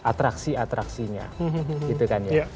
atraksi atraksinya gitu kan ya